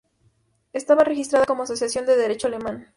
Estaba registrada como asociación de derecho alemán.